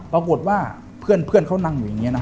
ปรากฏว่าเพื่อนเขานั่งอยู่อย่างนี้นะ